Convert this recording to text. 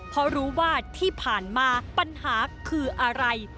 เพราะรู้ว่าที่ผ่านมาปัญหาคืออะไร